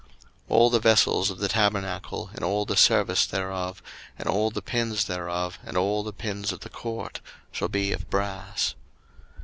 02:027:019 All the vessels of the tabernacle in all the service thereof, and all the pins thereof, and all the pins of the court, shall be of brass.